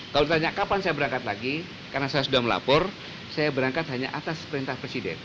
kalau ditanya kapan saya berangkat lagi karena saya sudah melapor saya berangkat hanya atas perintah presiden